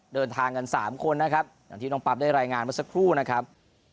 เดินทางกัน๓คนนะครับอย่างที่น้องปั๊บได้รายงานมาสักครู่นะครับ